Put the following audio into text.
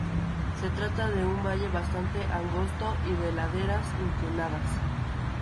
Se trata de un valle bastante angosto y de laderas inclinadas.